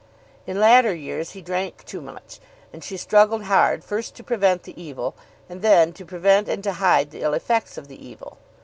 In latter years he drank too much, and she struggled hard first to prevent the evil, and then to prevent and to hide the ill effects of the evil.